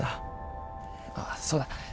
ああそうだ。